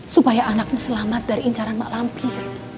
supaya anakmu selamat dari incaran mak lampu